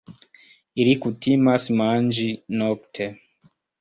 Ili kutimas manĝi nokte.